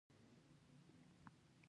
د هغه ښار لپاره